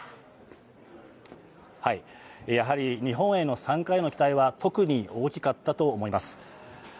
やはり日本への参加への期待は特に大きかったと思います。